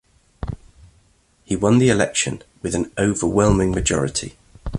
He won the election, with an overwhelming majority.